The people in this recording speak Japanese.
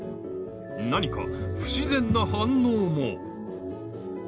なにか不自然な反応も！？